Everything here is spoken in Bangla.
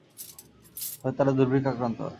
ফলে তারা দুর্ভিক্ষে আক্রান্ত হয়।